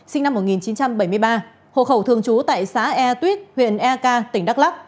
sinh năm một nghìn chín trăm bảy mươi ba hộ khẩu thường trú tại xã e tuyết huyện ek tỉnh đắk lắc